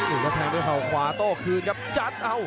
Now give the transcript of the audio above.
อุดระแทงด้วยเข้าขวาโต้คืนครับจัด